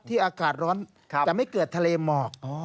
อากาศร้อนจะไม่เกิดทะเลหมอก